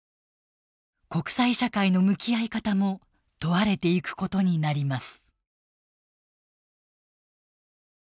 国際社会の向き合い方も問われていくことになります。